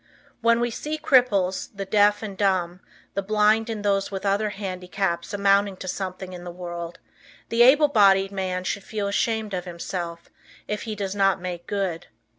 When we see cripples, the deaf and dumb, the blind and those with other handicaps amounting to something in the world, the able bodied man should feel ashamed of himself if he does not make good.